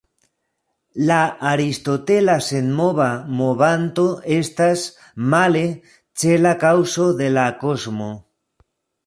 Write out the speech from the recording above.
La aristotela senmova movanto estas, male, cela kaŭzo de la kosmo.